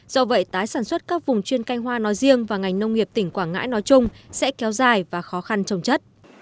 do vậy tái sản xuất các vùng chuyên canh hoa nói riêng và ngành nông nghiệp tỉnh quảng ngãi nói chung sẽ kéo dài và khó khăn trồng chất